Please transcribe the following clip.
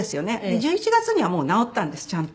１１月にはもう治ったんですちゃんと。